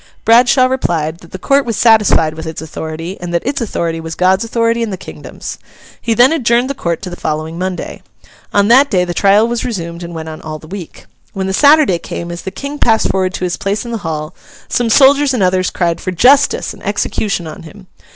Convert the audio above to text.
Bradshaw replied, that the Court was satisfied with its authority, and that its authority was God's authority and the kingdom's. He then adjourned the Court to the following Monday. On that day, the trial was resumed, and went on all the week. When the Saturday came, as the King passed forward to his place in the Hall, some soldiers and others cried for 'justice!' and execution on him.